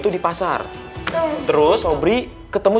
cepetan kasih tau